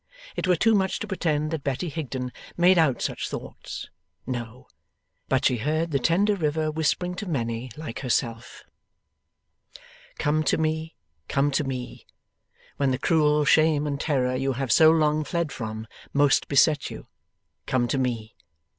It were too much to pretend that Betty Higden made out such thoughts; no; but she heard the tender river whispering to many like herself, 'Come to me, come to me! When the cruel shame and terror you have so long fled from, most beset you, come to me!